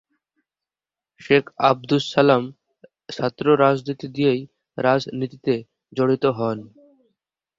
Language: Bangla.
শেখ আবদুস সালাম ছাত্র রাজনীতি দিয়েই রাজনীতিতে জড়িত হন।